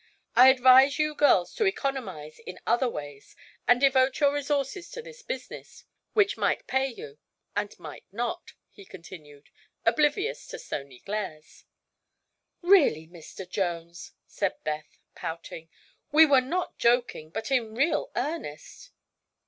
"I advise you girls to economize in other ways and devote your resources to this business, which might pay you and might not," he continued, oblivious to stony glares. "Really, Mr. Jones," said Beth, pouting, "we were not joking, but in real earnest."